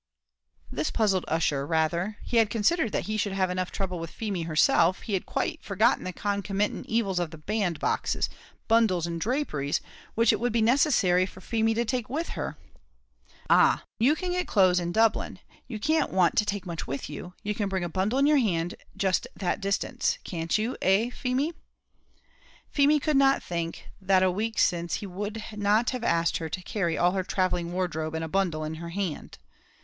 This puzzled Ussher rather; he had considered that he should have enough trouble with Feemy herself; he had quite forgotten the concomitant evils of the bandboxes, bundles, and draperies which it would be necessary for Feemy to take with her. "Ah! you can get clothes in Dublin; you can't want to take much with you; you can bring a bundle in your hand just that distance. Can't you, eh, Feemy?" Feemy could not but think that a week since he would not have asked her to carry all her travelling wardrobe in a bundle, in her hand.